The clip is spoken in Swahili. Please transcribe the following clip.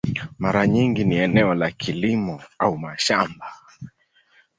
Mara nyingi ni eneo la kilimo au mashamba.